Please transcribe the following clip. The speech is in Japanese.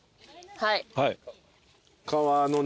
はい。